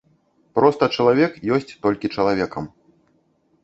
Проста чалавек ёсць толькі чалавекам.